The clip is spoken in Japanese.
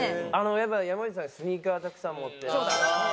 やっぱ山内さんスニーカーたくさん持ってらっしゃる。